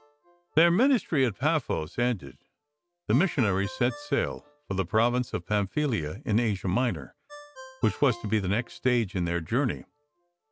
Their ministry at Paphos endec sioners set sail for the province of 1 in Asia Minor, which was to be the in their journey.